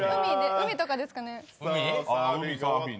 海とかですかね。